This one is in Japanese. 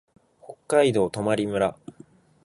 北海道泊村